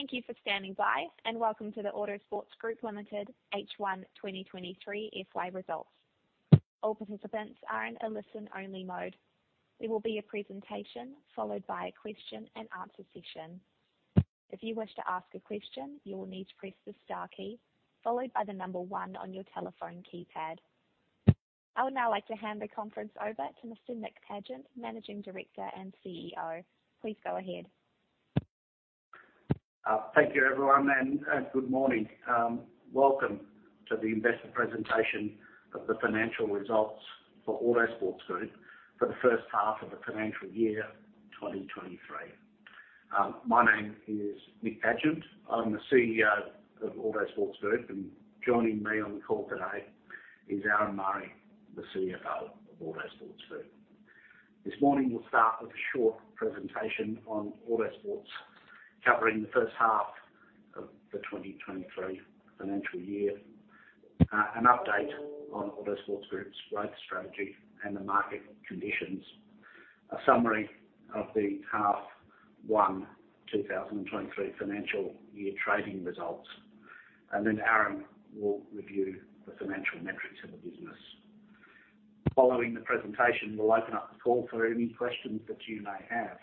Thank you for standing by, and welcome to the Autosports Group Limited H1 2023 FY results. All participants are in a listen-only mode. There will be a presentation followed by a question-and-answer session. If you wish to ask a question, you will need to press the star key followed by the one on your telephone keypad. I would now like to hand the conference over to Mr. Nick Pagent, Managing Director, and CEO. Please go ahead. Thank you everyone and good morning. Welcome to the investor presentation of the financial results for Autosports Group for the first half of the financial year 2023. My name is Nick Pagent. I'm the CEO of Autosports Group. Joining me on the call today is Aaron Murray, the CFO of Autosports Group. This morning, we'll start with a short presentation on Autosports, covering the first half of the 2023 financial year. An update on Autosports Group's growth strategy and the market conditions. A summary of the H1 2023 financial year trading results. Aaron will review the financial metrics of the business. Following the presentation, we'll open up the call for any questions that you may have.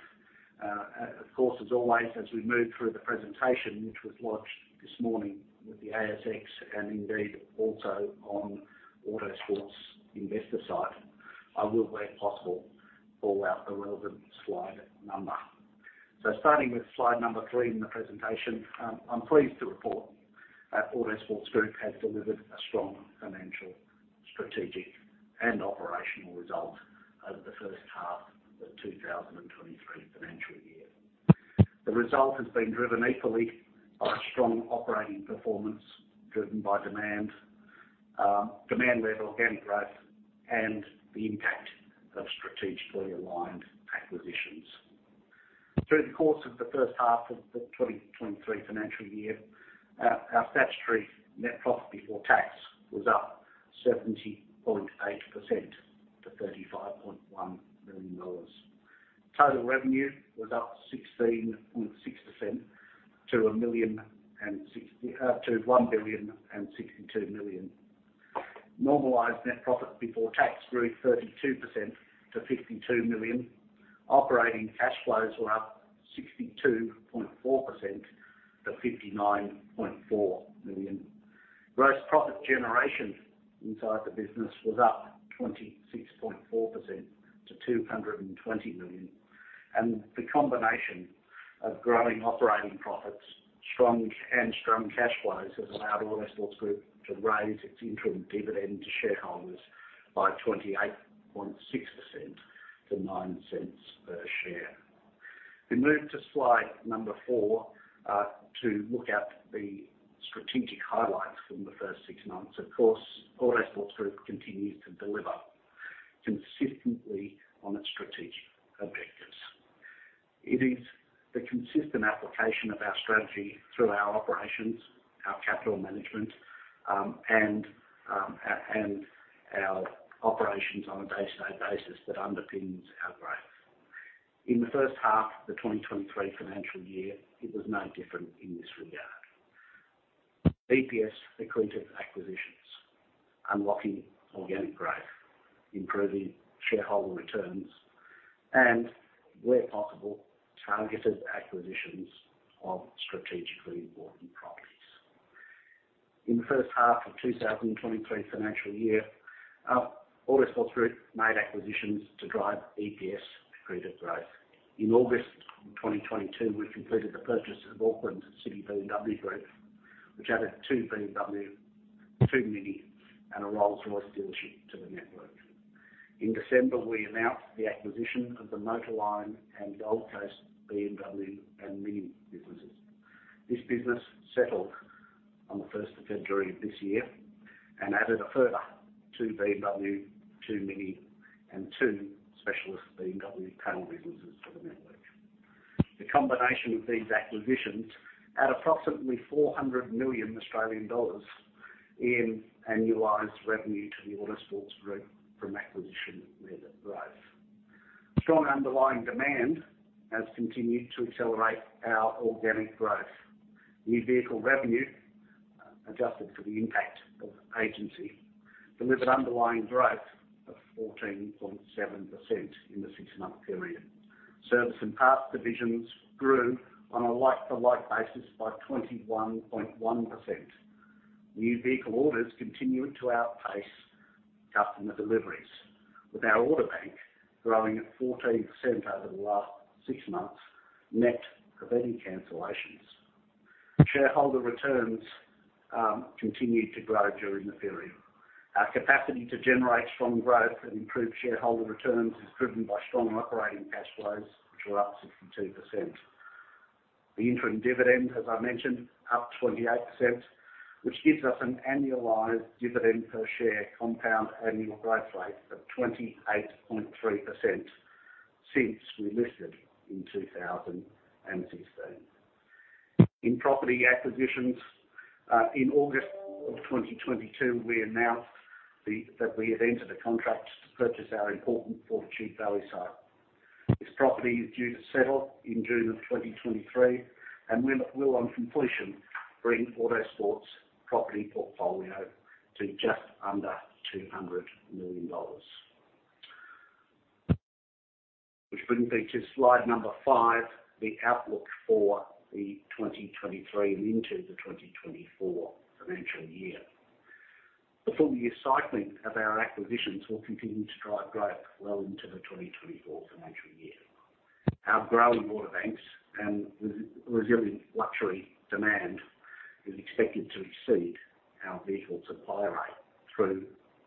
Of course, as always, as we move through the presentation, which was launched this morning with the ASX and indeed also on Autosports investor site, I will, where possible, call out the relevant slide number. Starting with slide number 3 in the presentation, I'm pleased to report that Autosports Group has delivered a strong financial, strategic, and operational result over the first half of the 2023 financial year. The result has been driven equally by strong operating performance, driven by demand level organic growth, and the impact of strategically aligned acquisitions. Through the course of the first half of the 2023 financial year, our statutory net profit before tax was up 70.8% to 35.1 million dollars. Total revenue was up 16.6% to 1.062 billion. Normalized net profit before tax grew 32% to 52 million. Operating cash flows were up 62.4% to 59.4 million. Gross profit generation inside the business was up 26.4% to 220 million. The combination of growing operating profits, strong cash flows has allowed Autosports Group to raise its interim dividend to shareholders by 28.6% to 0.09 per share. We move to slide number four to look at the strategic highlights from the first six months. Of course, Autosports Group continues to deliver consistently on its strategic objectives. It is the consistent application of our strategy through our operations, our capital management, and our operations on a day-to-day basis that underpins our growth. In the first half of the 2023 financial year, it was no different in this regard. EPS accretive acquisitions, unlocking organic growth, improving shareholder returns, and, where possible, targeted acquisitions of strategically important properties. In the first half of 2023 financial year, Autosports Group made acquisitions to drive EPS accretive growth. In August of 2022, we completed the purchase of Auckland City BMW Group, which added two BMW, two MINI, and a Rolls-Royce dealership to the network. In December, we announced the acquisition of the Motorline and Gold Coast BMW and MINI businesses. This business settled on the first of February of this year and added a further two BMW, two MINI, and two specialist BMW panel businesses to the network. The combination of these acquisitions at approximately 400 million Australian dollars in annualized revenue to the Autosports Group from acquisition-led growth. Strong underlying demand has continued to accelerate our organic growth. New vehicle revenue, adjusted for the impact of agency, delivered underlying growth of 14.7% in the six-month period. Service and parts divisions grew on a like-to-like basis by 21.1%. New vehicle orders continued to outpace customer deliveries, with our order bank growing at 14% over the last six months, net of any cancellations. Shareholder returns continued to grow during the period. Our capacity to generate strong growth and improve shareholder returns is driven by strong operating cash flows, which were up 62%. The interim dividend, as I mentioned, up 28%, which gives us an annualized dividend per share compound annual growth rate of 28.3% since we listed in 2016. In property acquisitions, in August of 2022, we announced that we had entered a contract to purchase our important Fortitude Valley site. This property is due to settle in June of 2023, and will, on completion, bring Autosports property portfolio to just under 200 million dollars. Which brings me to slide number five, the outlook for the 2023 and into the 2024 financial year. The full year cycling of our acquisitions will continue to drive growth well into the 2024 financial year. Our growing order banks and resilient luxury demand is expected to exceed our vehicle supply rate through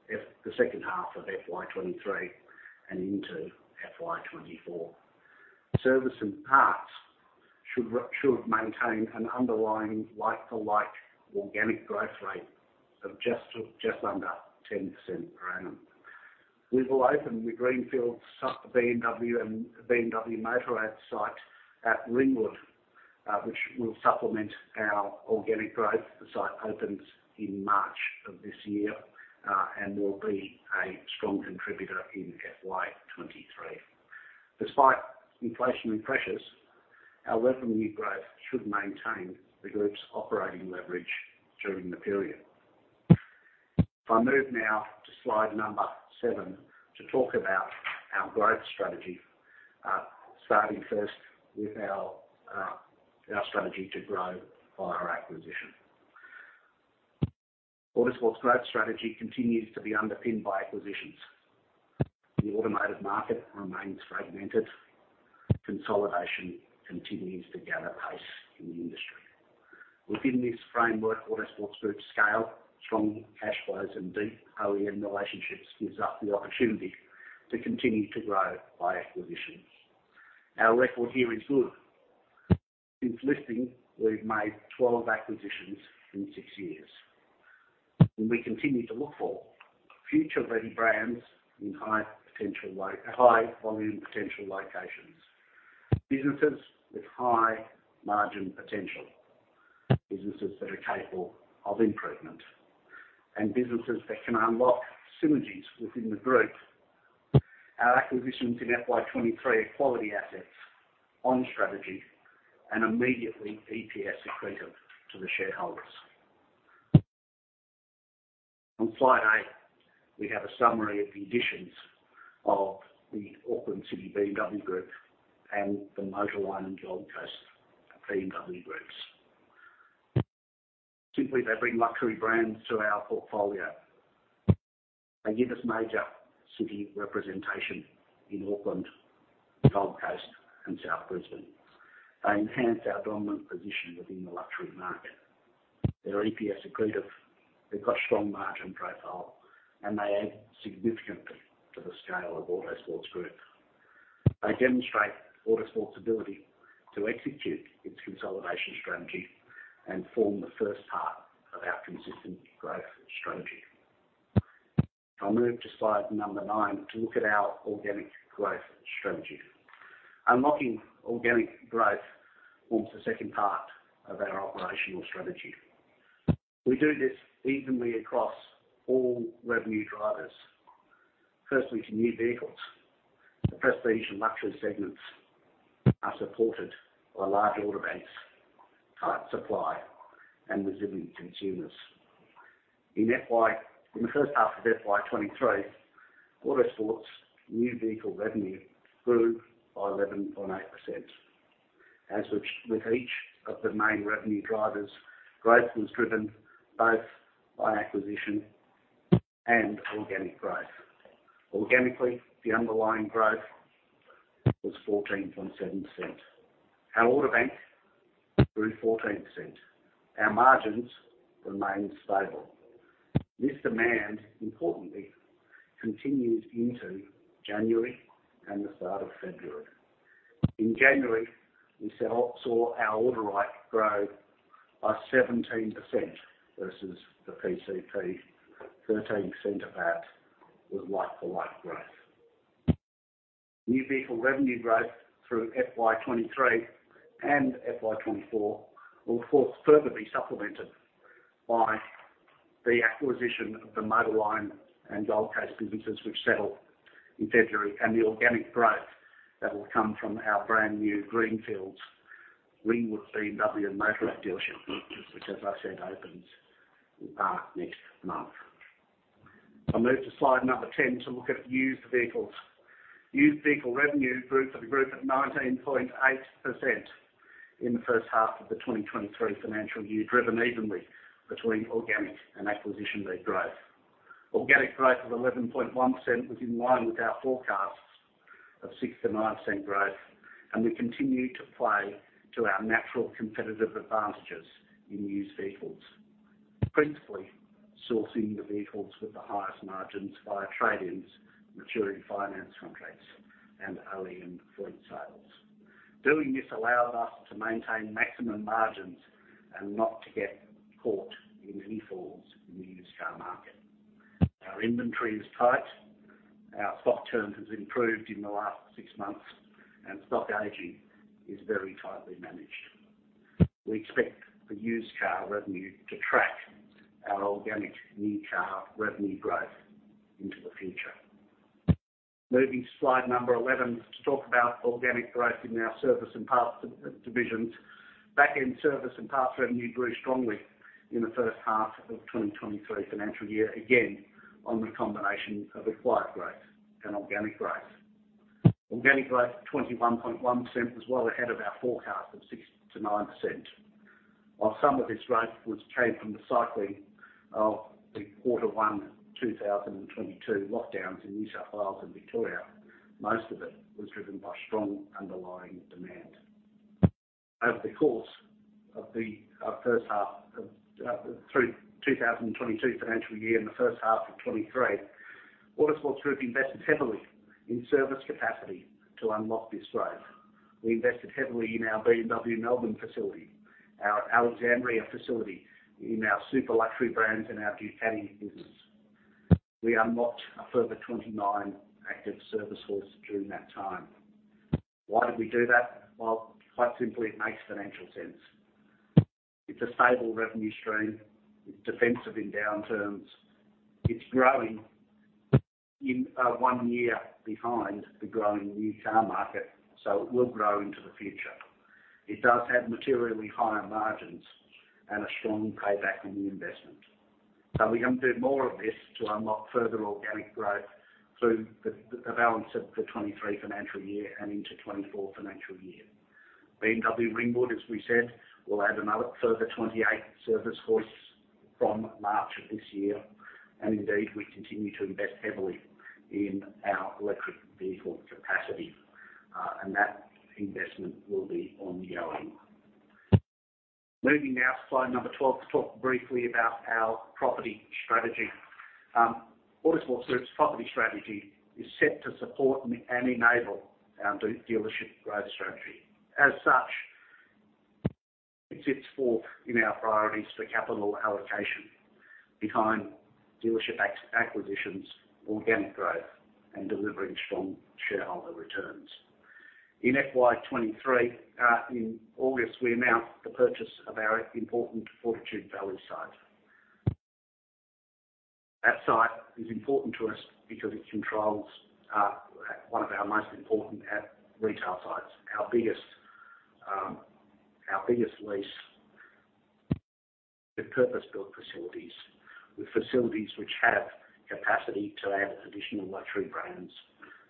the second half of FY23 and into FY24. Service and parts should maintain an underlying like-for-like organic growth rate of just under 10% per annum. We will open the greenfield BMW and BMW Motorrad site at Ringwood, which will supplement our organic growth. The site opens in March of this year, and will be a strong contributor in FY23. Despite inflationary pressures, our revenue growth should maintain the group's operating leverage during the period. I move now to slide 7 to talk about our growth strategy, starting first with our strategy to grow via acquisition. Autosports growth strategy continues to be underpinned by acquisitions. The automotive market remains fragmented. Consolidation continues to gather pace in the industry. Within this framework, Autosports Group's scale, strong cash flows, and deep OEM relationships gives us the opportunity to continue to grow by acquisition. Our record here is good. Since listing, we've made 12 acquisitions in six years. We continue to look for future-ready brands in high volume potential locations. Businesses with high margin potential, businesses that are capable of improvement, businesses that can unlock synergies within the group. Our acquisitions in FY23 are quality assets on strategy and immediately EPS accretive to the shareholders. On slide 8, we have a summary of the additions of the Auckland City BMW Group and the Motorline and Gold Coast BMW Groups. They bring luxury brands to our portfolio. They give us major city representation in Auckland, Gold Coast, and South Brisbane. They enhance our dominant position within the luxury market. They are EPS accretive, they've got strong margin profile, they add significantly to the scale of Autosports Group. They demonstrate Autosports' ability to execute its consolidation strategy and form the first part of our consistent growth strategy. I'll move to slide number nine to look at our organic growth strategy. Unlocking organic growth forms the second part of our operational strategy. We do this evenly across all revenue drivers. Firstly, for new vehicles. The prestige and luxury segments are supported by large order banks, tight supply, and resilient consumers. In the first half of FY23, Autosports' new vehicle revenue grew by 11.8%. As with each of the main revenue drivers, growth was driven both by acquisition and organic growth. Organically, the underlying growth was 14.7%. Our order bank grew 14%. Our margins remained stable. This demand, importantly, continues into January and the start of February. In January, we saw our order rate grow by 17% versus the PCP. 13% of that was like-for-like growth. New vehicle revenue growth through FY23 and FY24 will further be supplemented by the acquisition of the Motorline and Gold Coast businesses which settle in February, and the organic growth that will come from our brand new greenfields, Ringwood BMW and Motorrad dealership, which, as I said, opens in March next month. I move to slide number 10 to look at used vehicles. Used vehicle revenue grew for the group at 19.8% in the first half of the 2023 financial year, driven evenly between organic and acquisition-led growth. Organic growth of 11.1% was in line with our forecasts of 6%-9% growth. We continue to play to our natural competitive advantages in used vehicles. Principally, sourcing the vehicles with the highest margins via trade-ins, maturing finance contracts, and OEM fleet sales. Doing this allows us to maintain maximum margins and not to get caught in any falls in the used car market. Our inventory is tight. Our stock turns has improved in the last six months, and stock aging is very tightly managed. We expect the used car revenue to track our organic new car revenue growth into the future. Moving to slide number 11 to talk about organic growth in our service and parts divisions. Back end service and parts revenue grew strongly in the first half of the 2023 financial year, again, on the combination of acquired growth and organic growth. Organic growth of 21.1% was well ahead of our forecast of 6%-9%. While some of this growth was gained from the cycling of the Q1 2022 lockdowns in New South Wales and Victoria, most of it was driven by strong underlying demand. Over the course of the first half of 2022 financial year and the first half of 2023, Autosports Group invested heavily in service capacity to unlock this growth. We invested heavily in our BMW Melbourne facility, our Alexandria facility, in our super luxury brands and our Ducati business. We unlocked a further 29 active service halls during that time. Why did we do that? Well, quite simply, it makes financial sense. It's a stable revenue stream. It's defensive in downturns. It's growing in 1 year behind the growing new car market, so it will grow into the future. It does have materially higher margins and a strong payback on the investment. We're gonna do more of this to unlock further organic growth through the balance of the 2023 financial year and into 2024 financial year. BMW Ringwood, as we said, will add another further 28 service halls from March of this year. Indeed, we continue to invest heavily in our electric vehicle capacity, and that investment will be ongoing. Moving now to slide number 12 to talk briefly about our property strategy. Autosports Group's property strategy is set to support and enable our dealership growth strategy. As such, it sits fourth in our priorities for capital allocation behind dealership acquisitions, organic growth, and delivering strong shareholder returns. In FY23, in August, we announced the purchase of our important Fortitude Valley site. That site is important to us because it controls one of our most important at retail sites, our biggest, our biggest lease with purpose-built facilities, with facilities which have capacity to add additional luxury brands,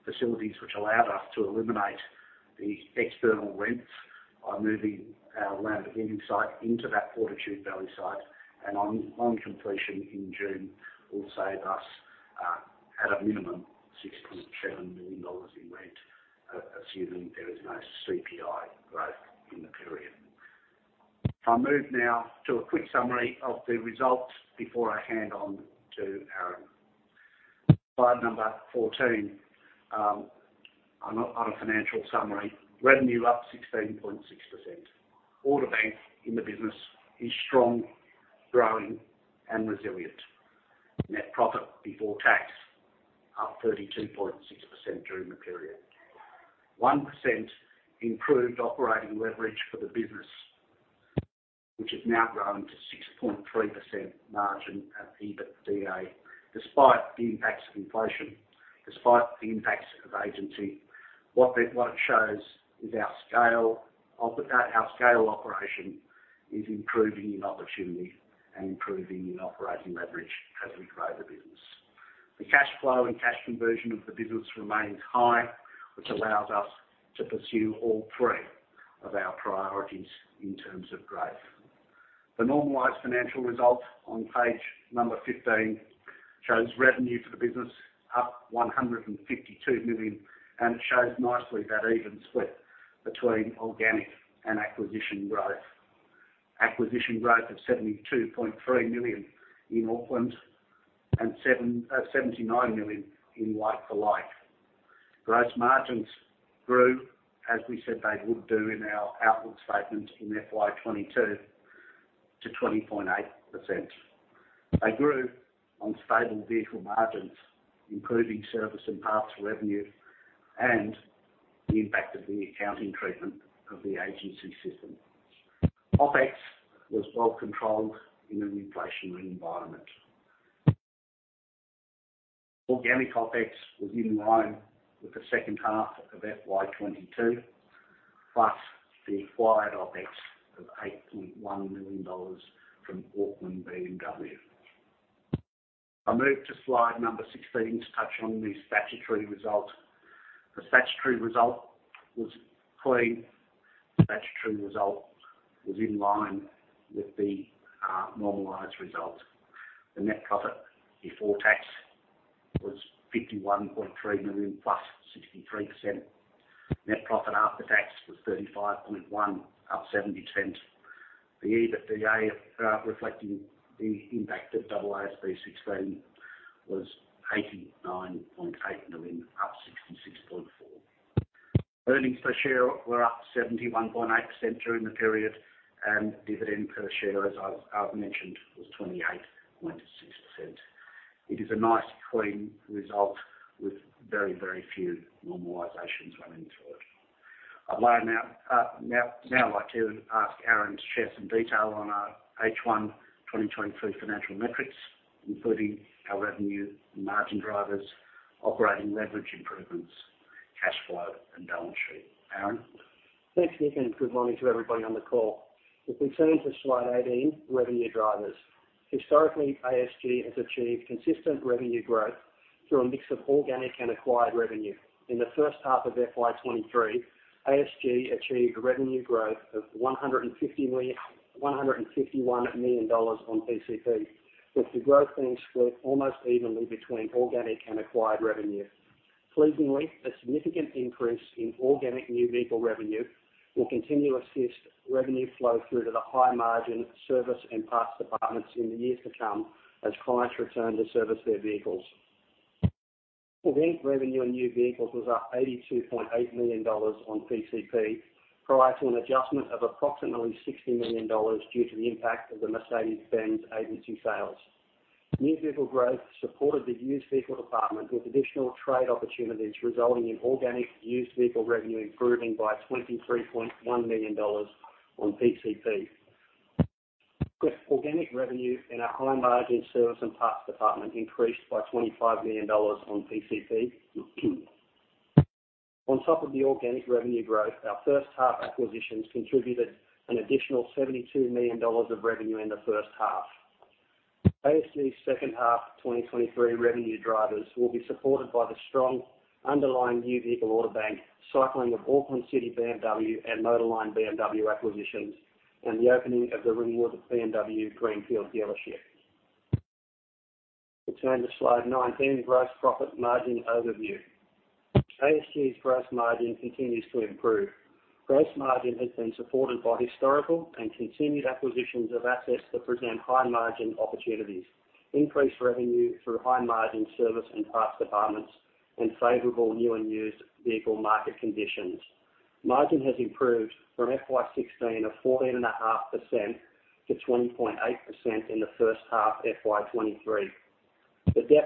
facilities which allowed us to eliminate the external rents by moving our Lamborghini site into that Fortitude Valley site. On completion in June, will save us at a minimum, 6.7 million dollars in rent, assuming there is no CPI growth in the period. If I move now to a quick summary of the results before I hand on to Aaron. Slide number 14 on a financial summary. Revenue up 16.6%. Order bank in the business is strong, growing, and resilient. Net profit before tax up 32.6% during the period. 1% improved operating leverage for the business, which has now grown to 6.3% margin at EBITDA, despite the impacts of inflation, despite the impacts of agency. What it shows is our scale operation is improving in opportunity and improving in operating leverage as we grow the business. The cash flow and cash conversion of the business remains high, which allows us to pursue all three of our priorities in terms of growth. The normalized financial results on page number 15 shows revenue for the business up 152 million, it shows nicely that even split between organic and acquisition growth. Acquisition growth of 72.3 million in Auckland and 79 million in like for like. Gross margins grew, as we said they would do in our outlook statement in FY22, to 20.8%. They grew on stable vehicle margins, improving service and parts revenue, and the impact of the accounting treatment of the agency system. OpEx was well controlled in an inflationary environment. Organic OpEx was in line with the second half of FY22, plus the acquired OpEx of 8.1 million dollars from Auckland City BMW. I move to slide number 16 to touch on the statutory result. The statutory result was clean. The statutory result was in line with the normalized result. The net profit before tax was 51.3 million plus 63%. Net profit after tax was 35.1 million, up 70%. The EBITDA reflecting the impact of AASB 16 was 89.8 million, up 66.4%. Earnings per share were up 71.8% during the period, and dividend per share, as I've mentioned, was 28.6%. It is a nice clean result with very few normalizations running through it. I'd like now like to ask Aaron to share some detail on our H1, 2023 financial metrics, including our revenue and margin drivers, operating leverage improvements, cash flow, and balance sheet. Aaron? Thanks, Nick. Good morning to everybody on the call. If we turn to slide 18, revenue drivers. Historically, ASG has achieved consistent revenue growth through a mix of organic and acquired revenue. In the first half of FY23, ASG achieved revenue growth of 151 million dollars on PCP, with the growth being split almost evenly between organic and acquired revenue. Pleasingly, a significant increase in organic new vehicle revenue will continue to assist revenue flow through to the high-margin service and parts departments in the years to come, as clients return to service their vehicles. Organic revenue on new vehicles was up 82.8 million dollars on PCP prior to an adjustment of approximately 60 million dollars due to the impact of the Mercedes-Benz agency sales. New vehicle growth supported the used vehicle department with additional trade opportunities, resulting in organic used vehicle revenue improving by 23.1 million dollars on PCP. Organic revenue in our high-margin service and parts department increased by 25 million dollars on PCP. On top of the organic revenue growth, our first half acquisitions contributed an additional 72 million dollars of revenue in the first half. ASG's second half of 2023 revenue drivers will be supported by the strong underlying new vehicle order bank, cycling of Auckland City BMW and Motorline BMW acquisitions, and the opening of the Ringwood BMW greenfield dealership. We turn to slide 19, gross profit margin overview. ASG's gross margin continues to improve. Gross margin has been supported by historical and continued acquisitions of assets that present high-margin opportunities, increased revenue through high-margin service and parts departments, and favorable new and used vehicle market conditions. Margin has improved from FY16 of 14.5% to 20.8% in the first half FY23. We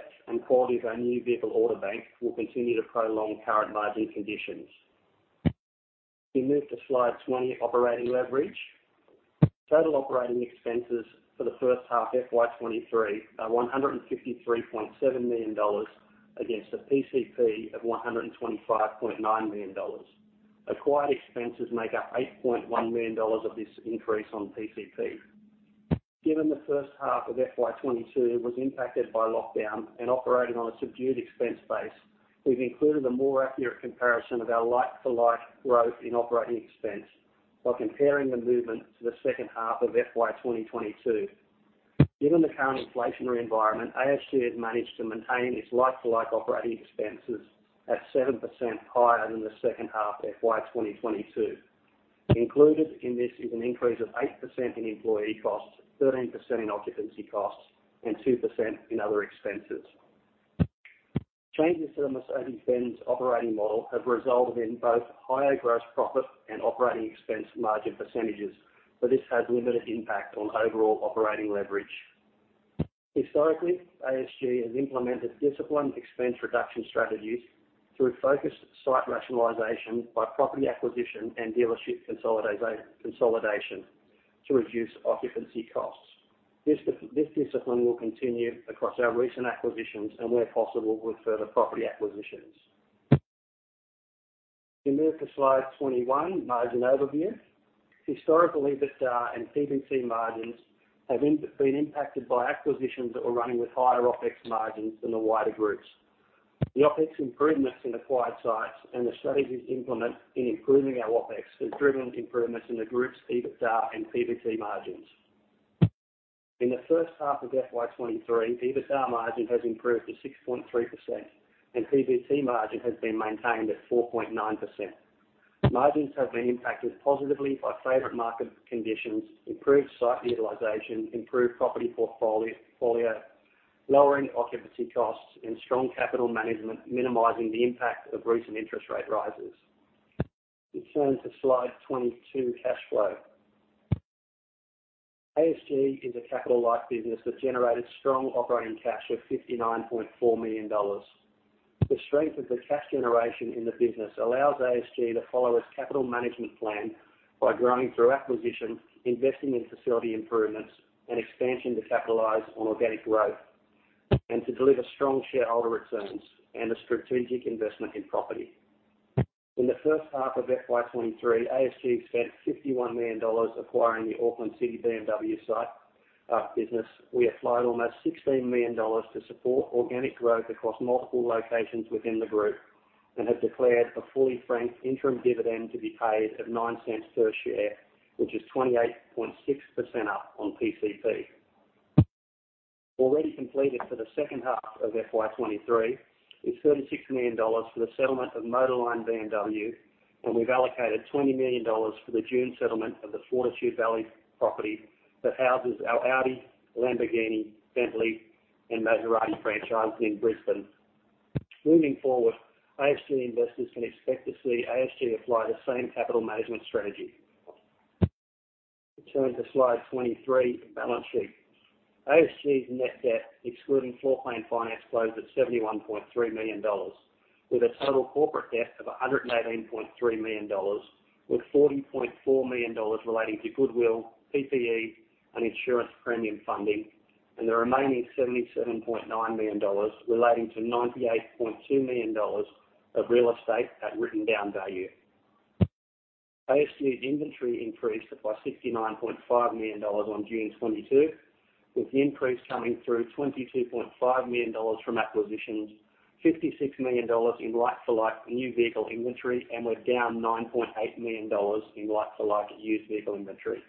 move to slide 20, operating leverage. Total operating expenses for the first half FY23 are 153.7 million dollars against a PCP of 125.9 million dollars. Acquired expenses make up 8.1 million dollars of this increase on PCP. Given the first half of FY22 was impacted by lockdown and operating on a subdued expense base, we've included a more accurate comparison of our like-to-like growth in operating expense by comparing the movement to the second half of FY22. Given the current inflationary environment, ASG has managed to maintain its like-to-like operating expenses at 7% higher than the second half FY22. Included in this is an increase of 8% in employee costs, 13% in occupancy costs, and 2% in other expenses. Changes to the Mercedes-Benz operating model have resulted in both higher gross profit and operating expense margin percentages, this has limited impact on overall operating leverage. Historically, ASG has implemented disciplined expense reduction strategies through focused site rationalization by property acquisition and dealership consolidation to reduce occupancy costs. This discipline will continue across our recent acquisitions and, where possible, with further property acquisitions. We move to slide 21, margin overview. Historically, EBITDA and PBT margins have been impacted by acquisitions that were running with higher OpEx margins than the wider groups. The OpEx improvements in acquired sites and the strategies implement in improving our OpEx has driven improvements in the group's EBITDA and PBT margins. In the first half of FY23, EBITDA margin has improved to 6.3%, and PBT margin has been maintained at 4.9%. Margins have been impacted positively by favorable market conditions, improved site utilization, improved property portfolio, lowering occupancy costs, and strong capital management, minimizing the impact of recent interest rate rises. We turn to slide 22, cash flow. ASG is a capital-light business that generated strong operating cash of 59.4 million dollars. The strength of the cash generation in the business allows ASG to follow its capital management plan by growing through acquisition, investing in facility improvements, and expansion to capitalize on organic growth, and to deliver strong shareholder returns and a strategic investment in property. In H1 FY23, ASG spent 51 million dollars acquiring the Auckland City BMW business. We applied almost 16 million dollars to support organic growth across multiple locations within the group and have declared a fully franked interim dividend to be paid of 0.09 per share, which is 28.6% up on PCP. Already completed for H2 FY23 is 36 million dollars for the settlement of Motorline BMW. We've allocated 20 million dollars for the June settlement of the Fortitude Valley property that houses our Audi, Lamborghini, Bentley and Maserati franchise in Brisbane. Moving forward, ASG investors can expect to see ASG apply the same capital management strategy. Turn to slide 23, balance sheet. ASG's net debt excluding floor plan finance closed at 71.3 million dollars with a total corporate debt of 118.3 million dollars, with 40.4 million dollars relating to goodwill, PPE and insurance premium funding, and the remaining 77.9 million dollars relating to 98.2 million dollars of real estate at written down value. ASG's inventory increased by AUD 69.5 million on June 22, with the increase coming through AUD 22.5 million from acquisitions, AUD 56 million in like-for-like new vehicle inventory, and we're down AUD 9.8 million in like-for-like used vehicle inventory.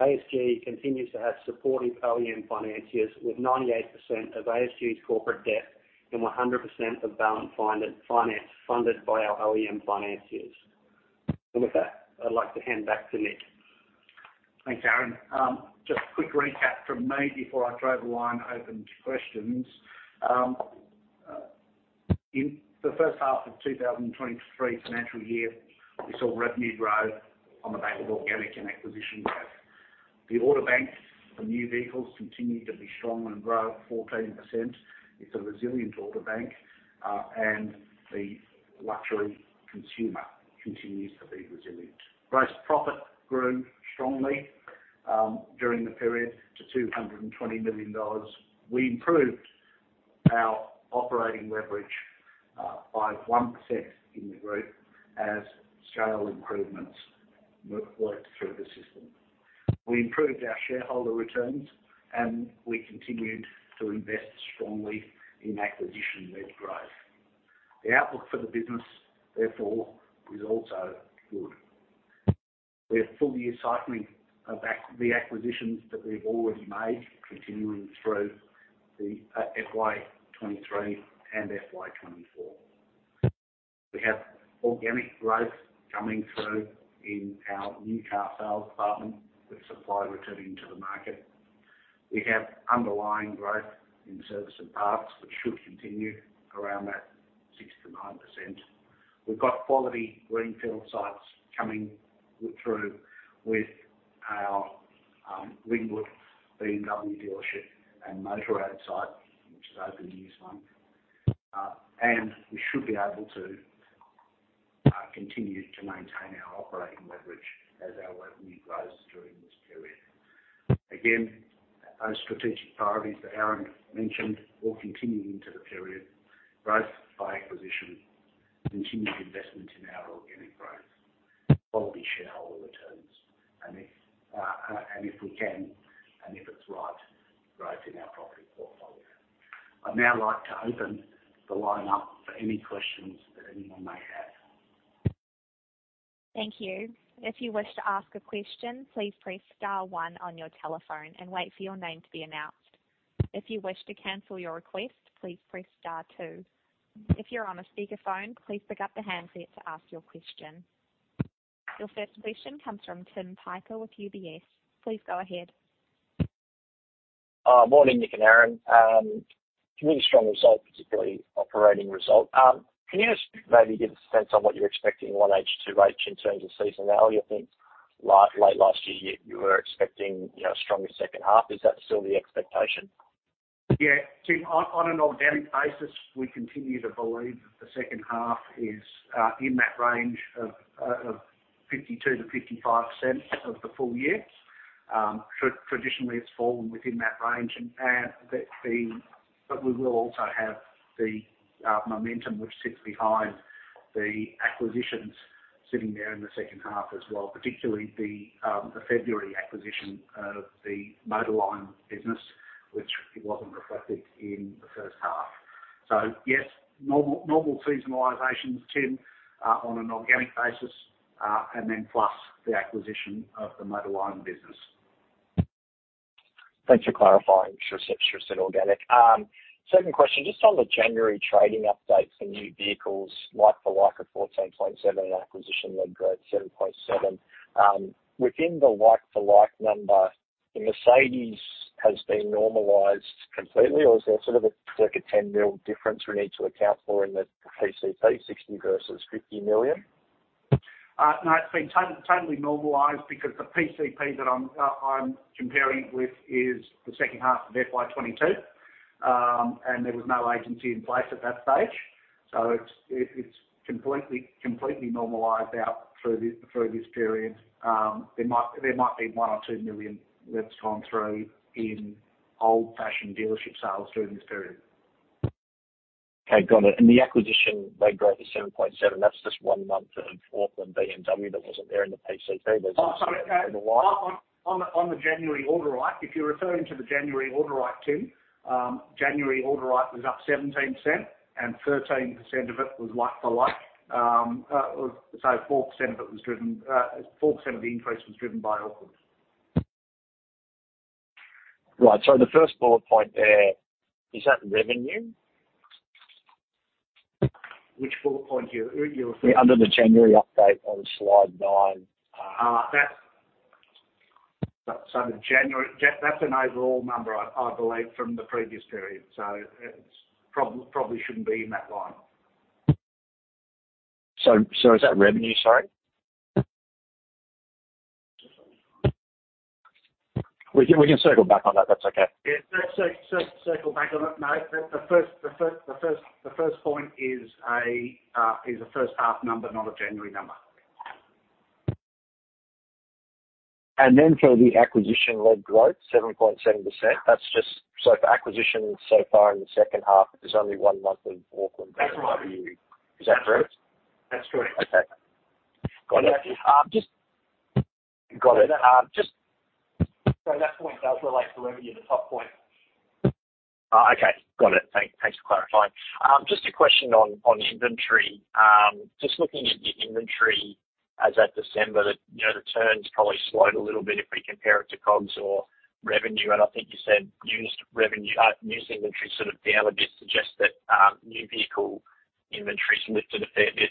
ASG continues to have supportive OEM financiers with 98% of ASG's corporate debt and 100% of balance finance funded by our OEM financiers. With that, I'd like to hand back to Nick. Thanks, Aaron. Just a quick recap from me before I drive the line open to questions. In the first half of 2023 financial year, we saw revenue grow on the back of organic and acquisition growth. The order bank for new vehicles continued to be strong and grow at 14%. It's a resilient order bank, and the luxury consumer continues to be resilient. Gross profit grew strongly during the period to 220 million dollars. We improved our operating leverage by 1% in the group as scale improvements worked through the system. We improved our shareholder returns, and we continued to invest strongly in acquisition-led growth. The outlook for the business, therefore, is also good. We have full year cycling of the acquisitions that we've already made continuing through the FY23 and FY24. We have organic growth coming through in our new car sales department with supply returning to the market. We have underlying growth in service and parts, which should continue around that 6%-9%. We've got quality greenfield sites coming through with our Ringwood BMW dealership and Motorrad site, which has opened this month. We should be able to continue to maintain our operating leverage as our revenue grows during this period. Again, our strategic priorities that Aaron mentioned will continue into the period. Growth by acquisition, continued investment in our organic growth, quality shareholder returns, and if we can and if it's right, growth in our property portfolio. I'd now like to open the line up for any questions that anyone may have. Thank you. If you wish to ask a question, please press star one on your telephone and wait for your name to be announced. If you wish to cancel your request, please press star two. If you're on a speakerphone, please pick up the handset to ask your question. Your first question comes from Tim Plumbe with UBS. Please go ahead. Morning, Nick and Aaron. Really strong result, particularly operating result. Can you just maybe give a sense on what you're expecting in 1H, 2H in terms of seasonality? I think late last year you were expecting, you know, a stronger second half. Is that still the expectation? Tim, on an organic basis, we continue to believe that the second half is in that range of 52%-55% of the full year. Traditionally it's fallen within that range. We will also have the momentum which sits behind the acquisitions sitting there in the second half as well, particularly the February acquisition of the Motorline business, which it wasn't reflected in the first half. Yes, normal seasonalizations, Tim, on an organic basis, plus the acquisition of the Motorline business. Thanks for clarifying. Sure. Sure. Sure. It's organic. Second question, just on the January trading update for new vehicles, like for like at 14.7% acquisition led growth 7.7%. Within the like for like number, the Mercedes has been normalized completely, or is there sort of a, like a 10 million difference we need to account for in the PCP, 60 million versus 50 million? No, it's been totally normalized because the PCP that I'm comparing with is the second half of FY22. There was no agency in place at that stage. It's completely normalized out through this period. There might be 1 or 2 million that's gone through in old-fashioned dealership sales through this period. Okay. Got it. The acquisition led growth is 7.7%. That's just one month of Auckland BMW that wasn't there in the PCP. Oh, sorry. On the January order, right. If you're referring to the January order, right, Tim. January order, right, was up 17% and 13% of it was like for like. 4% of the increase was driven by Auckland. Right. The first bullet point there, is that revenue? Which bullet point you're referring? Under the January update on slide 9. The January That's an overall number, I believe, from the previous period, so probably shouldn't be in that line. Is that revenue, sorry? We can circle back on that's okay. Yeah. circle back on it. No, the first point is a first half number, not a January number. For the acquisition-led growth, 7.7%. For acquisitions so far in the second half, there's only 1 month of Auckland. That's right. [inaudible] Is that correct? That's correct. Okay. Got it. Um, just- Got it. That point does relate to revenue, the top point. Okay. Got it. Thanks for clarifying. Just a question on inventory. Just looking at your inventory, as at December, you know, the turn's probably slowed a little bit if we compare it to COGS or revenue and I think you said used inventory sort of down a bit suggests that new vehicle inventory's lifted a fair bit.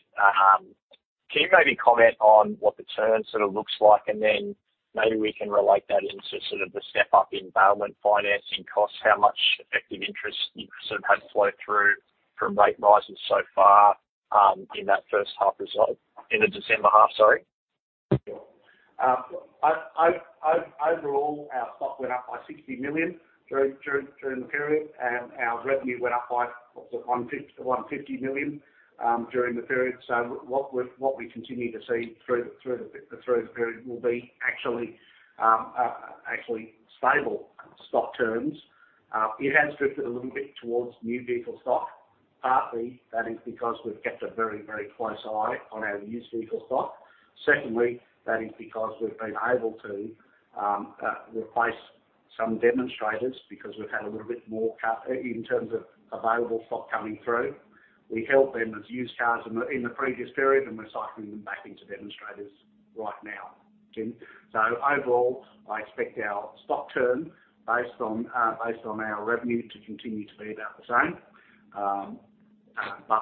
Can you maybe comment on what the turn sort of looks like? Then maybe we can relate that into sort of the step up in bailment financing costs, how much effective interest you sort of had flow through from rate rises so far, in that first half in the December half, sorry. Overall, our stock went up by 60 million during the period, and our revenue went up by 150 million during the period. What we continue to see through the period will be actually stable stock turns. It has drifted a little bit towards new vehicle stock. Partly, that is because we've kept a very, very close eye on our used vehicle stock. Secondly, that is because we've been able to replace some demonstrators because we've had a little bit more in terms of available stock coming through. We held them as used cars in the previous period, and we're cycling them back into demonstrators right now, Tim. Overall, I expect our stock turn based on, based on our revenue to continue to be about the same.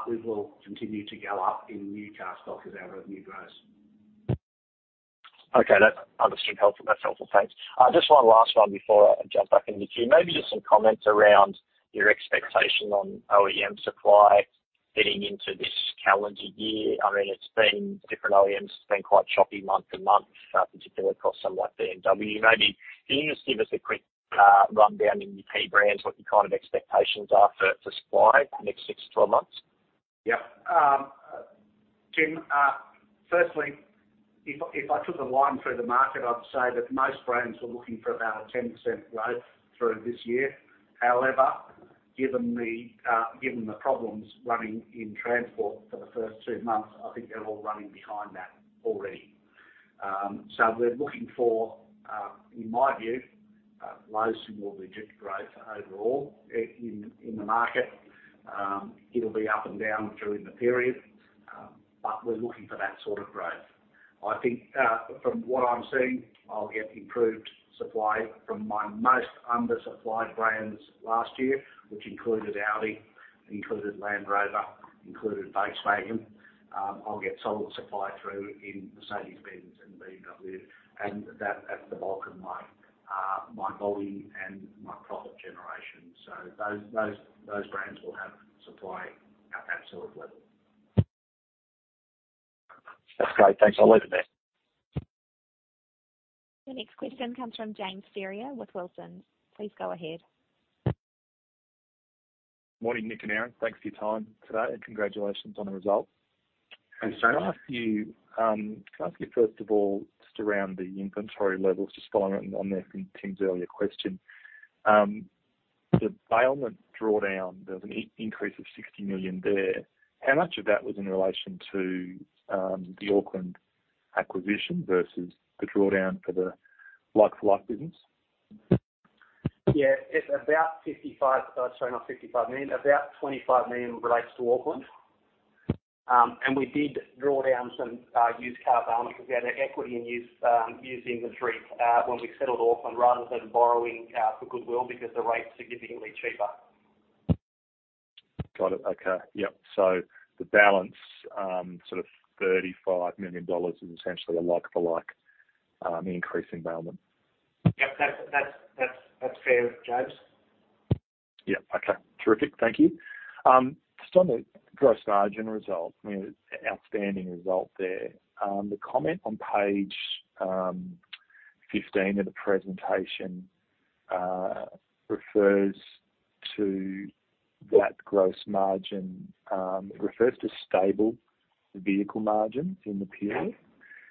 We will continue to go up in new car stock as our revenue grows. Okay. That's understood. Helpful. That's helpful. Thanks. Just one last one before I jump back in the queue. Maybe just some comments around your expectation on OEM supply heading into this calendar year. I mean, it's been, different OEMs, it's been quite choppy month to month, particularly across someone like BMW. Maybe can you just give us a quick rundown in your key brands, what your kind of expectations are for supply the next 6-12 months? Yeah. Tim, firstly, if I took a line through the market, I'd say that most brands were looking for about a 10% growth through this year. However, given the given the problems running in transport for the first 2 months, I think they're all running behind that already. We're looking for in my view, low single-digit growth overall in the market. It'll be up and down during the period, but we're looking for that sort of growth. I think, from what I'm seeing, I'll get improved supply from my most undersupplied brands last year, which included Audi, included Land Rover, included Volkswagen. I'll get solid supply through in Mercedes-Benz and BMW, and that's the bulk of my volume and my profit generation. Those brands will have supply at absolute level. That's great. Thanks. I'll leave it there. The next question comes from James Ferrier with Wilsons. Please go ahead. Morning, Nick and Aaron. Thanks for your time today, and congratulations on the result. Thanks, James. Can I ask you, can I ask you first of all, just around the inventory levels, just following on there from Tim's earlier question? The bailment drawdown, there was an increase of 60 million there. How much of that was in relation to the Auckland acquisition versus the drawdown for the like-for-like business? Yeah. It's about 55 million, sorry, not 55 million. About 25 million relates to Auckland. We did draw down some used car bailment because we had an equity in used inventory when we settled Auckland rather than borrowing for goodwill because the rate's significantly cheaper. Got it. Okay. Yep. The balance, sort of 35 million dollars is essentially a like-for-like increase in bailment. Yep. That's fair, James. Yeah. Okay. Terrific. Thank you. Just on the gross margin result, I mean, outstanding result there. The comment on page 15 of the presentation refers to that gross margin, refers to stable vehicle margins in the period.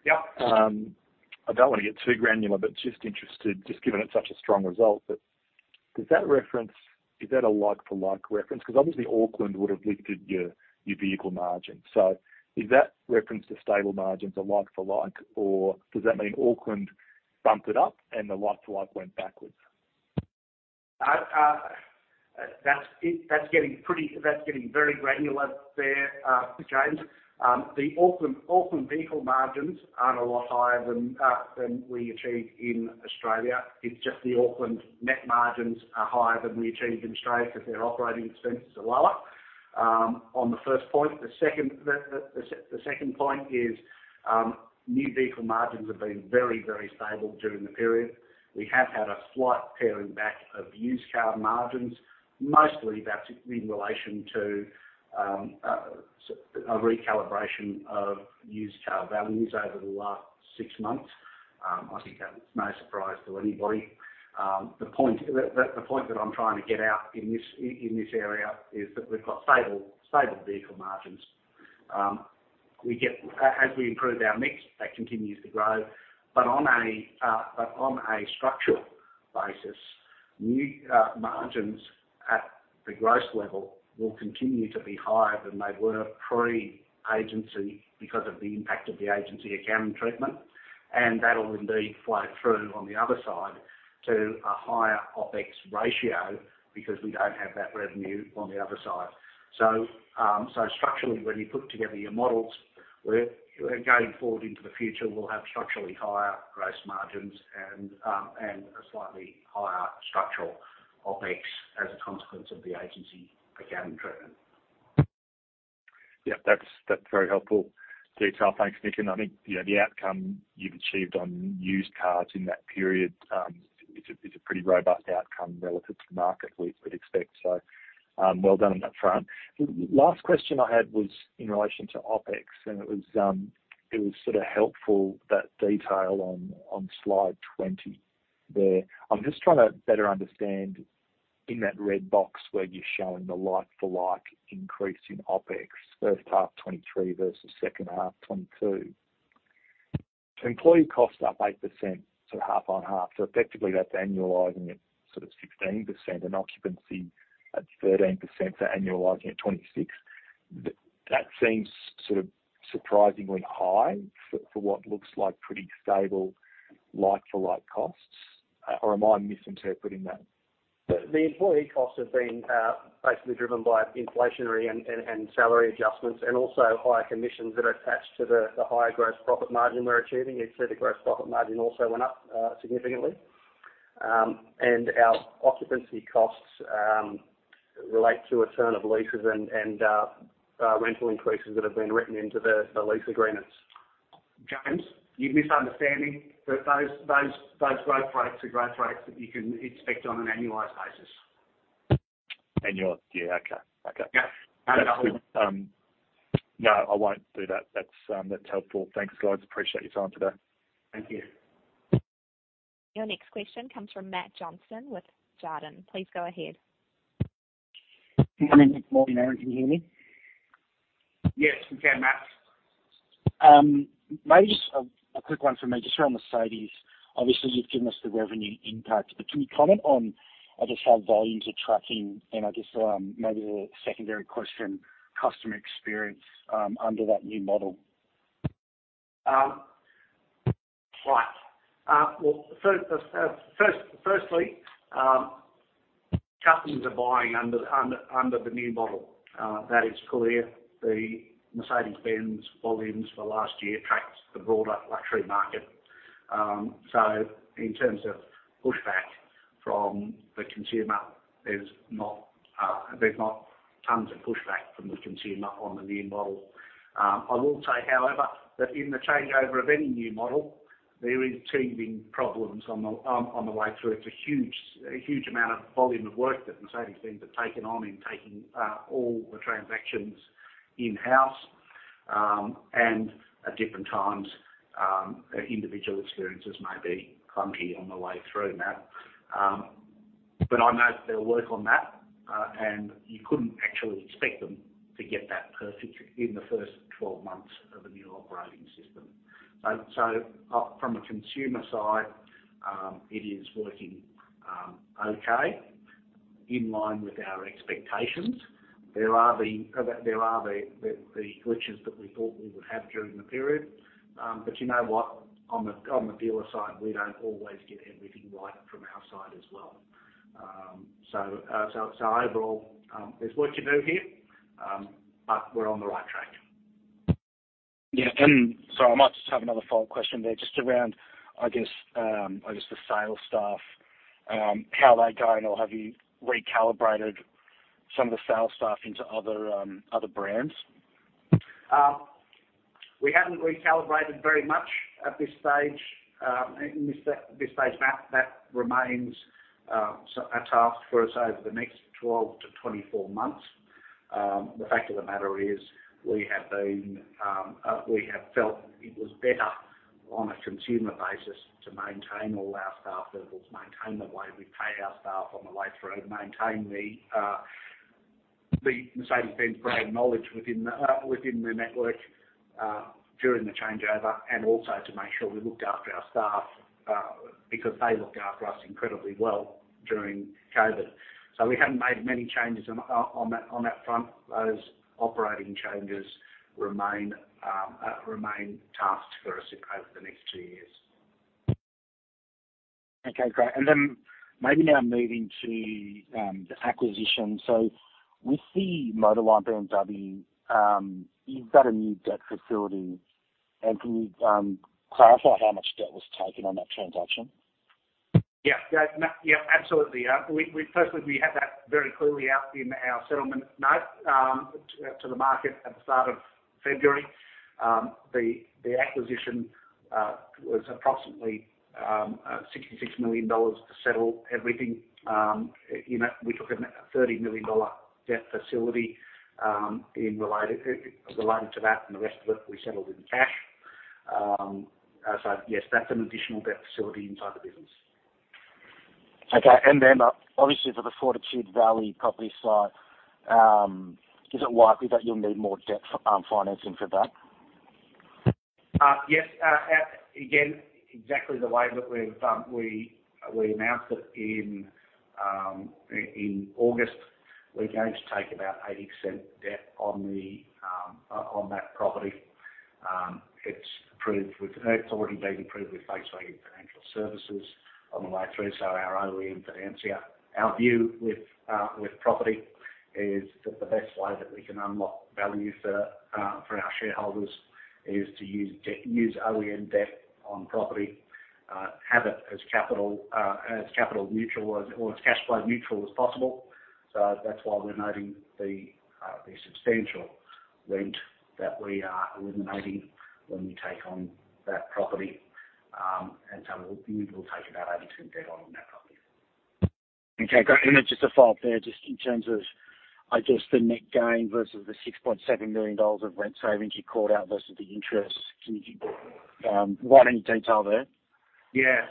Yeah. I don't wanna get too granular, but just interested, just given it's such a strong result, but is that a like-for-like reference? Because obviously Auckland would have lifted your vehicle margins. Is that reference to stable margins a like-for-like, or does that mean Auckland bumped it up and the like-for-like went backwards? That's it. That's getting very granular there, James. The Auckland vehicle margins aren't a lot higher than we achieve in Australia. It's just the Auckland net margins are higher than we achieve in Australia because their operating expenses are lower. On the first point. The second point is, new vehicle margins have been very, very stable during the period. We have had a slight paring back of used car margins. Mostly that's in relation to a recalibration of used car values over the last six months. I think that's no surprise to anybody. The point that I'm trying to get out in this area is that we've got stable vehicle margins. As we improve our mix, that continues to grow. On a structural basis, new margins at the gross level will continue to be higher than they were pre-agency because of the impact of the agency accounting treatment. That'll indeed flow through on the other side to a higher OpEx ratio because we don't have that revenue on the other side. Structurally, when you put together your models, we're going forward into the future, we'll have structurally higher gross margins and a slightly higher structural OpEx as a consequence of the agency accounting treatment. Yeah, that's very helpful detail. Thanks, Nick. I think, you know, the outcome you've achieved on used cars in that period is a pretty robust outcome relative to market we'd expect so. Well done on that front. Last question I had was in relation to OpEx, and it was sort of helpful that detail on slide 20 there. I'm just trying to better understand in that red box where you're showing the like for like increase in OpEx, first half 23 versus second half 22. Employee costs up 8%, so half on half. Effectively that's annualizing at sort of 16% and occupancy at 13%, so annualizing at 26%. That seems sort of surprisingly high for what looks like pretty stable like for like costs. Am I misinterpreting that? The employee costs have been basically driven by inflationary and salary adjustments and also higher commissions that are attached to the higher gross profit margin we're achieving. You can see the gross profit margin also went up significantly. Our occupancy costs relate to a turn of leases and rental increases that have been written into the lease agreements. James, you're misunderstanding. Those growth rates are growth rates that you can expect on an annualized basis. Annualled, yeah. Okay. Okay. Yeah. No, I won't do that. That's, that's helpful. Thanks, guys. Appreciate your time today. Thank you. Your next question comes from Matt Johnston with Jarden. Please go ahead. Good morning. Morning, Aaron. Can you hear me? Yes, we can, Matt. Maybe just a quick one for me, just around Mercedes. Obviously, you've given us the revenue impact, but can you comment on, I guess, how volumes are tracking and I guess, maybe the secondary question, customer experience, under that new model? Right. Customers are buying under the new model. That is clear. The Mercedes-Benz volumes for last year tracks the broader luxury market. In terms of pushback from the consumer, there's not tons of pushback from the consumer on the new model. I will say, however, that in the changeover of any new model, there is teething problems on the way through. It's a huge amount of volume of work that Mercedes-Benz have taken on in taking all the transactions in-house, and at different times, individual experiences may be clunky on the way through, Matt. I know they'll work on that, and you couldn't actually expect them to get that perfect in the first 12 months of a new operating system. From a consumer side, it is working, okay, in line with our expectations. There are the glitches that we thought we would have during the period. You know what? On the dealer side, we don't always get everything right from our side as well. Overall, there's work to do here, but we're on the right track. Yeah. I might just have another follow-up question there just around, I guess, the sales staff, how are they going or have you recalibrated some of the sales staff into other brands? We haven't recalibrated very much at this stage. At this stage, Matt, that remains a task for us over the next 12 to 24 months. The fact of the matter is, we have been, we have felt it was better on a consumer basis to maintain all our staff levels, maintain the way we pay our staff on the way through, maintain the Mercedes-Benz brand knowledge within the network during the changeover, and also to make sure we looked after our staff because they looked after us incredibly well during COVID. We haven't made many changes on that front. Those operating changes remain tasks for us over the next two years. Okay, great. Then maybe now moving to the acquisition. With the Motorline BMW, you've got a new debt facility. Can you clarify how much debt was taken on that transaction? Yeah. Absolutely. Firstly, we had that very clearly out in our settlement note to the market at the start of February. The acquisition was approximately 66 million dollars to settle everything. You know, we took a 30 million dollar debt facility related to that, and the rest of it, we settled in cash. Yes, that's an additional debt facility inside the business. Okay. Obviously for the Fortitude Valley property site, is it likely that you'll need more debt financing for that? Yes. Again, exactly the way that we've, we announced it in August, we're going to take about 80% debt on that property. It's already been approved with Volkswagen Financial Services on the way through, so our OEM financier. Our view with property is that the best way that we can unlock value for our shareholders is to use OEM debt on property, have it as capital, as capital neutral or as cash flow neutral as possible. That's why we're noting the substantial rent that we are eliminating when we take on that property. We will take about 80% debt on that property. Okay, great. Just a follow-up there, just in terms of, I guess, the net gain versus the 6.7 million dollars of rent savings you called out versus the interest. Can you give a lot any detail there? Yeah.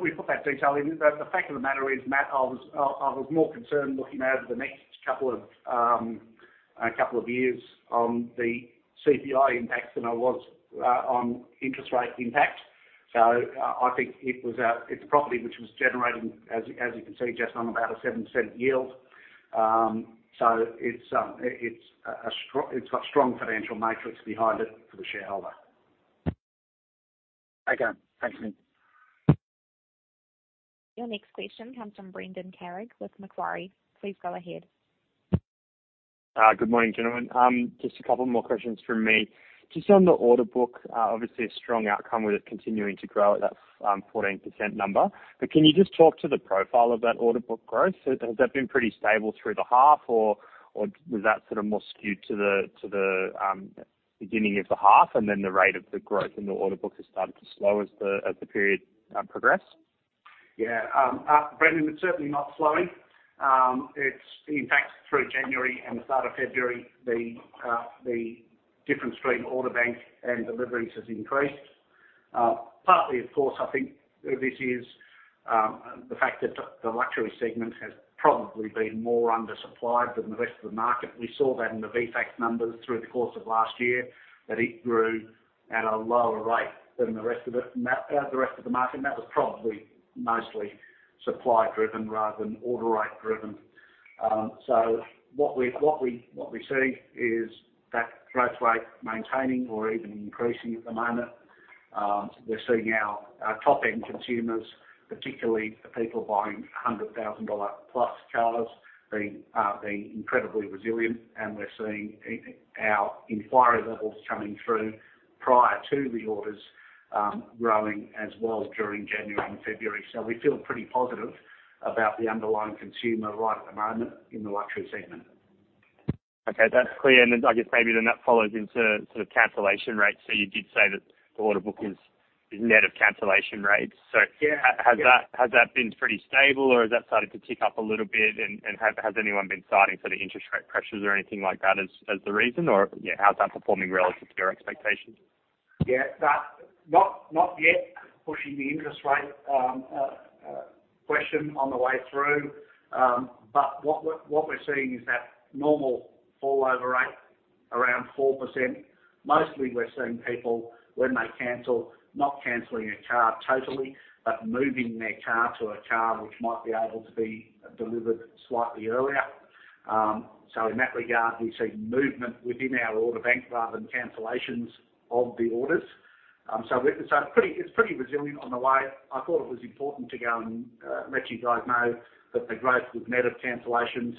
We put that detail in. The fact of the matter is, Matt, I was more concerned looking over the next couple of years on the CPI impact than I was on interest rate impact. I think it's a property which was generating, as you can see, just on about a 0.07 yield. It's got strong financial matrix behind it for the shareholder. Okay. Thanks, Nick. Your next question comes from Brendan Carrig with Macquarie. Please go ahead. Good morning, gentlemen. Just a couple more questions from me. Just on the order book, obviously a strong outcome with it continuing to grow at that 14% number. Can you just talk to the profile of that order book growth? Has that been pretty stable through the half or was that sort of more skewed to the beginning of the half and then the rate of the growth in the order book has started to slow as the period progressed? Brendan, it's certainly not slowing. It's in fact through January and the start of February, the difference between order bank and deliveries has increased. Partly, of course, I think this is the fact that the luxury segment has probably been more undersupplied than the rest of the market. We saw that in the VFACTS numbers through the course of last year, that it grew at a lower rate than the rest of the market, and that was probably mostly supply-driven rather than order rate-driven. What we see is that growth rate maintaining or even increasing at the moment. We're seeing our top-end consumers, particularly the people buying 100,000 dollar plus cars being incredibly resilient. We're seeing our inquiry levels coming through prior to the orders, growing as well during January and February. We feel pretty positive about the underlying consumer right at the moment in the luxury segment. Okay, that's clear. I guess maybe that follows into the sort of cancellation rates. You did say that the order book is net of cancellation rates. Yeah. Has that been pretty stable or has that started to tick up a little bit? Has anyone been citing sort of interest rate pressures or anything like that as the reason or yeah, how's that performing relative to your expectations? Yeah. That's not yet pushing the interest rate question on the way through. What we're seeing is that normal fall over rate around 4%. Mostly we're seeing people when they cancel, not canceling a car totally, but moving their car to a car which might be able to be delivered slightly earlier. In that regard, we've seen movement within our order bank rather than cancellations of the orders. It's pretty resilient on the way. I thought it was important to go and let you guys know that the growth was net of cancellations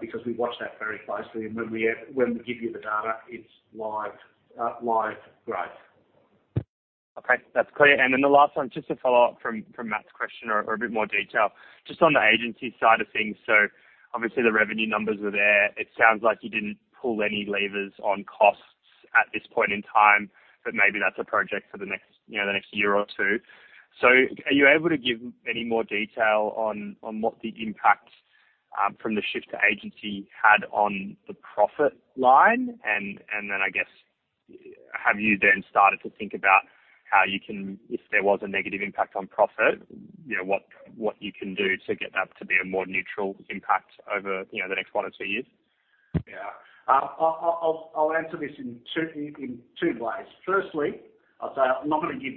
because we watch that very closely and when we give you the data, it's live growth. Okay, that's clear. Then the last one, just to follow up from Matt's question or a bit more detail. Just on the agency side of things, obviously the revenue numbers are there. It sounds like you didn't pull any levers on costs at this point in time, but maybe that's a project for the next, you know, the next one or two years. Are you able to give any more detail on what the impact from the shift to agency had on the profit line? Then I guess, have you then started to think about if there was a negative impact on profit, you know, what you can do to get that to be a more neutral impact over, you know, the next one or two years? Yeah. I'll answer this in two ways. Firstly, I'll say I'm not gonna give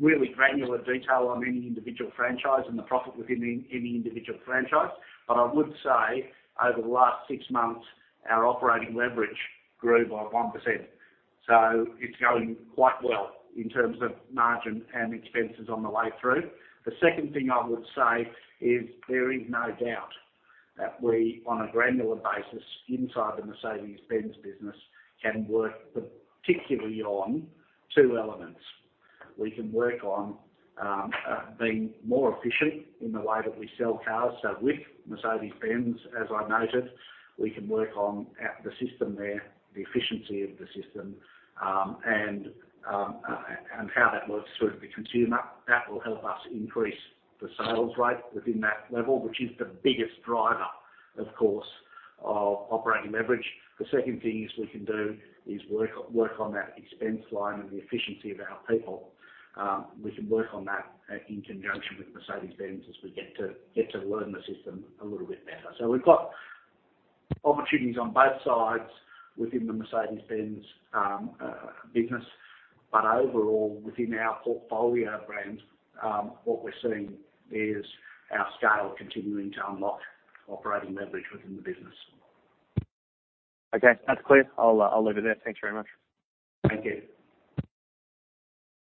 really granular detail on any individual franchise and the profit within any individual franchise. I would say over the last six months, our operating leverage grew by 1%. It's going quite well in terms of margin and expenses on the way through. The second thing I would say is there is no doubt. That we, on a granular basis inside the Mercedes-Benz business, can work particularly on two elements. We can work on being more efficient in the way that we sell cars. With Mercedes-Benz, as I noted, we can work on the system there, the efficiency of the system, and how that works through the consumer. That will help us increase the sales rate within that level, which is the biggest driver, of course, of operating leverage. The second thing is we can do, is work on that expense line and the efficiency of our people. We can work on that in conjunction with Mercedes-Benz as we get to learn the system a little bit better. We've got opportunities on both sides within the Mercedes-Benz business. Overall, within our portfolio of brands, what we're seeing is our scale continuing to unlock operating leverage within the business. Okay, that's clear. I'll leave it there. Thanks very much. Thank you.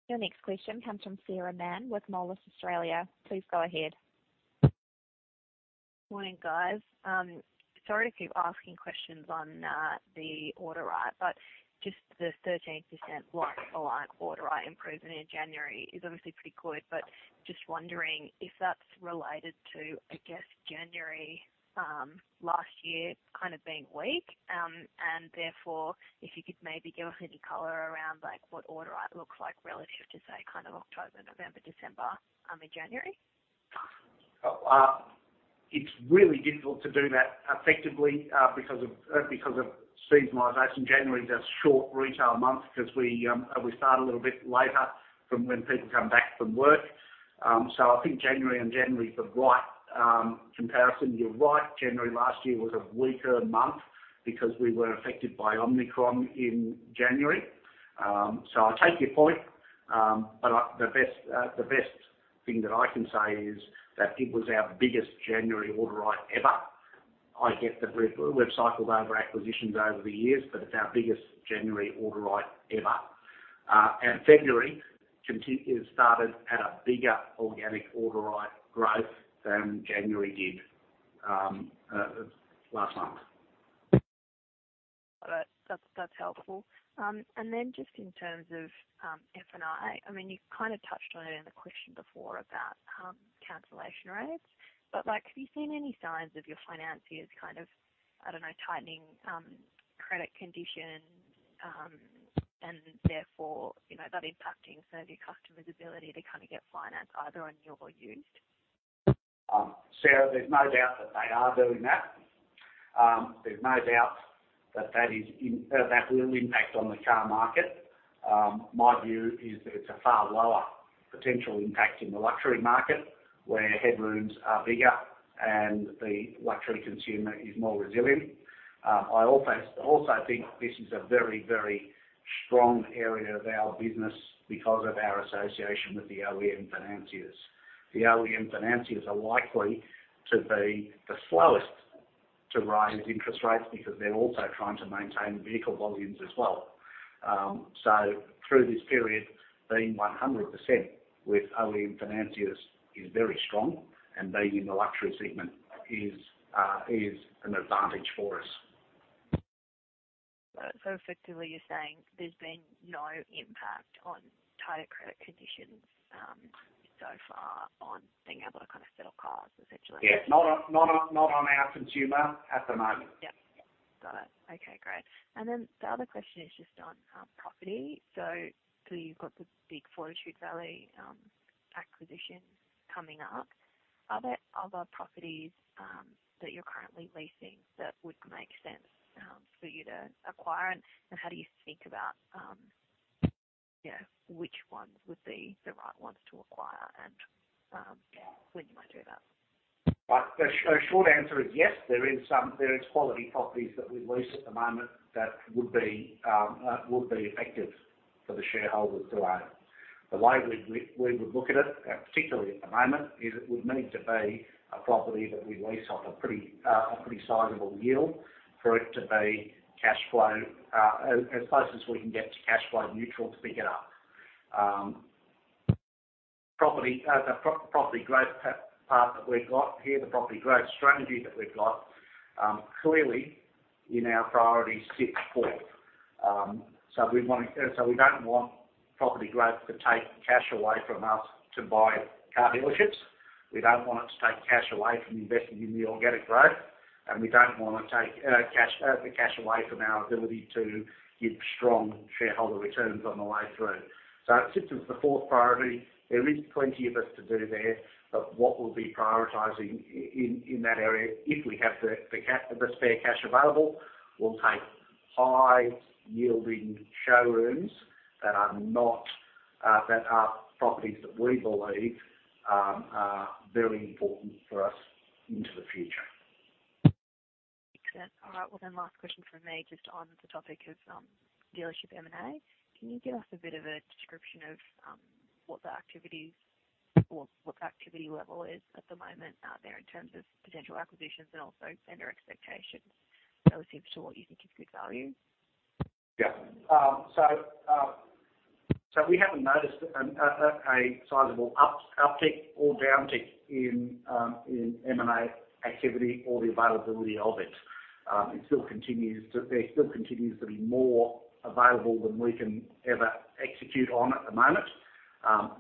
Your next question comes from Sarah Mann with Moelis Australia. Please go ahead. Morning, guys. Sorry to keep asking questions on the order write, but just the 13% like-for-like order write improvement in January is obviously pretty good. Just wondering if that's related to, I guess, January last year kind of being weak. Therefore, if you could maybe give us any color around, like, what order write looks like relative to, say, kind of October, November, December in January. It's really difficult to do that effectively because of seasonalization. January's a short retail month because we start a little bit later from when people come back from work. I think January on January is the right comparison. You're right, January last year was a weaker month because we were affected by Omicron in January. I take your point. The best thing that I can say is that it was our biggest January order write ever. I get that we've cycled over acquisitions over the years, but it's our biggest January order write ever. February has started at a bigger organic order write growth than January did last month. All right. That's helpful. Then just in terms of F&I mean, you kind of touched on it in the question before about cancellation rates. Like, have you seen any signs of your financiers kind of, I don't know, tightening credit conditions, and therefore, you know, that impacting some of your customers' ability to kind of get finance either on new or used? Sarah, there's no doubt that they are doing that. There's no doubt that that will impact on the car market. My view is that it's a far lower potential impact in the luxury market, where headrooms are bigger and the luxury consumer is more resilient. I also think this is a very, very strong area of our business because of our association with the OEM financiers. The OEM financiers are likely to be the slowest to raise interest rates because they're also trying to maintain vehicle volumes as well. Through this period, being 100% with OEM financiers is very strong and being in the luxury segment is an advantage for us. Effectively you're saying there's been no impact on tighter credit conditions, so far on being able to kind of sell cars, essentially? Yes. Not on, not on, not on our consumer at the moment. Yep. Got it. Okay, great. Then the other question is just on property. Clearly you've got the big Fortitude Valley acquisition coming up. Are there other properties that you're currently leasing that would make sense for you to acquire? How do you think about, you know, which ones would be the right ones to acquire and when you might do that? The short answer is yes, there is quality properties that we lease at the moment that would be effective for the shareholders to own. The way we would look at it, particularly at the moment, is it would need to be a property that we lease on a pretty sizable yield for it to be cashflow as close as we can get to cashflow neutral to pick it up. Property, the property growth path that we've got here, the property growth strategy that we've got, clearly in our priorities sits fourth. We don't want property growth to take cash away from us to buy car dealerships. We don't want it to take cash away from investing in the organic growth. We don't wanna take the cash away from our ability to give strong shareholder returns on the way through. It sits as the fourth priority. There is plenty of us to do there, but what we'll be prioritizing in that area, if we have the spare cash available, we'll take high yielding showrooms that are not properties that we believe are very important for us into the future. Excellent. All right. Last question from me, just on the topic of dealership M&A. Can you give us a bit of a description of what the activities or what the activity level is at the moment out there in terms of potential acquisitions and also lender expectations relative to what you think is good value? Yeah. We haven't noticed a sizable uptick or downtick in M&A activity or the availability of it. There still continues to be more available than we can ever execute on at the moment.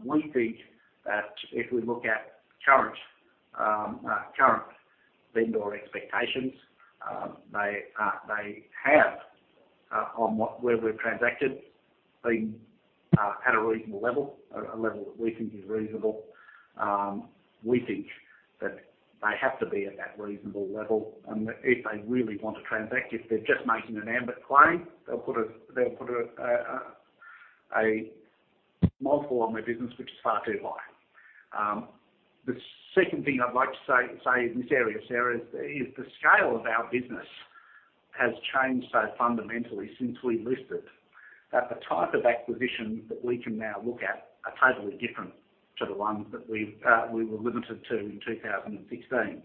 We think that if we look at current vendor expectations, they are, they have, where we've transacted, been at a reasonable level, a level that we think is reasonable. We think that they have to be at that reasonable level and that if they really want to transact, if they're just making an ambit claim, they'll put a multiple on their business which is far too high. The second thing I'd like to say in this area, Sarah, is the scale of our business has changed so fundamentally since we listed, that the type of acquisitions that we can now look at are totally different to the ones that we were limited to in 2016.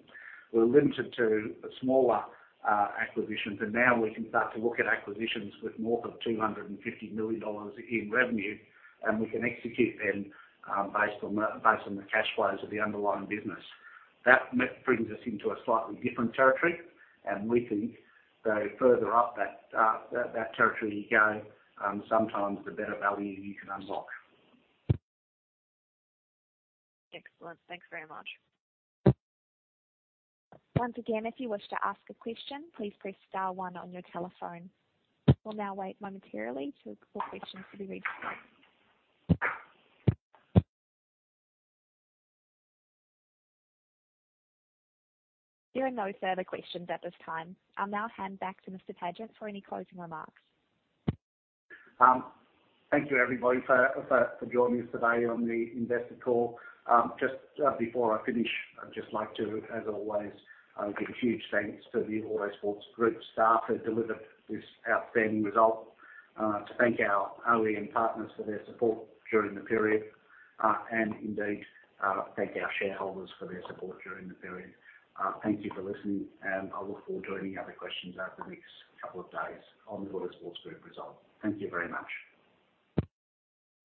We're limited to smaller acquisitions, and now we can start to look at acquisitions with more than 250 million dollars in revenue, and we can execute them based on the cash flows of the underlying business. That brings us into a slightly different territory, and we think the further up that territory you go, sometimes the better value you can unlock. Excellent. Thanks very much. Once again, if you wish to ask a question, please press star one on your telephone. We'll now wait momentarily for questions to be raised. There are no further questions at this time. I'll now hand back to Mr. Pagent for any closing remarks. Thank you, everybody, for joining us today on the investor call. Just before I finish, I'd just like to, as always, give huge thanks to the Autosports Group staff who delivered this outstanding result, to thank our OEM partners for their support during the period, and indeed, thank our shareholders for their support during the period. Thank you for listening, and I look forward to any other questions over the next couple of days on the Autosports Group result. Thank you very much.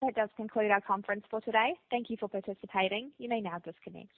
That does conclude our conference for today. Thank you for participating. You may now disconnect.